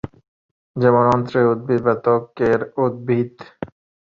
যেমন "অন্ত্রে উদ্ভিদ" বা "ত্বকের উদ্ভিদ"।